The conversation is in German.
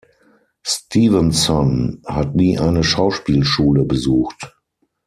Stevenson hat nie eine Schauspielschule besucht.